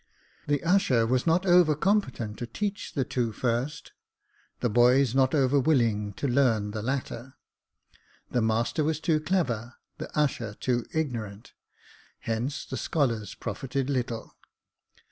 The usher was not over competent to teach the two first ; the boys not over willing to learn the latter. The master was too clever, the usher too ignorant ; hence the scholars profited little.